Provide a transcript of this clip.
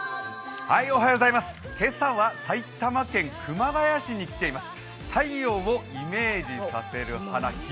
今朝は埼玉県熊谷市に来ています。